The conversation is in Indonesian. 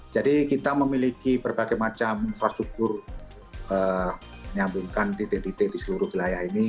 jadi kita memiliki berbagai macam infrastruktur menyambungkan ttt di seluruh wilayah ini